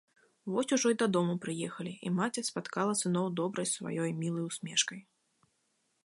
Вось ужо і дадому прыехалі, і маці спаткала сыноў добрай сваёй мілай усмешкай.